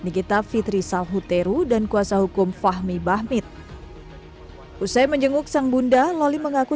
nikita fitri salhuteru dan kuasa hukum fahmi bahmid usai menjenguk sang bunda loli mengaku